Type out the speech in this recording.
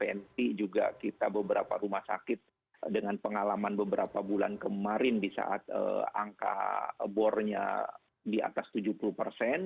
jadi kita sudah antisipasi beberapa rumah sakit juga kita beberapa rumah sakit dengan pengalaman beberapa bulan kemarin di saat angka bornya di atas tujuh puluh persen